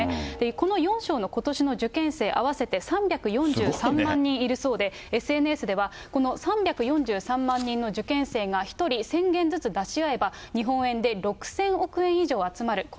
この４省のことしの受験生、合わせて３４３万人いるそうで、ＳＮＳではこの３４３万人の受験生が１人１０００元ずつ出し合えば、日本円で６０００億円以上集まる。